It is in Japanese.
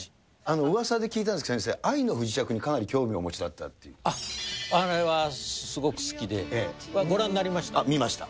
うわさで聞いたんですけど、先生、愛の不時着にかなり興味をあれはすごく好きで、ご覧に見ました。